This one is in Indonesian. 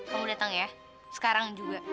kamu datang ya sekarang juga